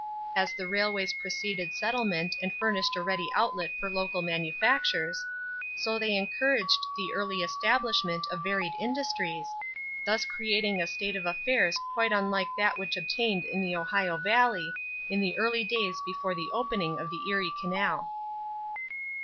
As the railways preceded settlement and furnished a ready outlet for local manufactures, so they encouraged the early establishment of varied industries, thus creating a state of affairs quite unlike that which obtained in the Ohio Valley in the early days before the opening of the Erie Canal.